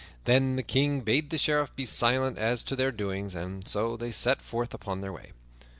Then the King bade the Sheriff be silent as to their doings, and so they set forth upon their way.